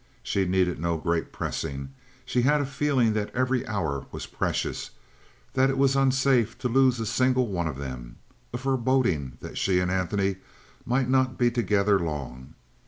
She needed no great pressing; she had a feeling that every hour was precious, that it was unsafe to lose a single one of them: a foreboding that she and Antony might not be together long.